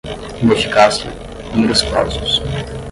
ineficácia, numerus clausus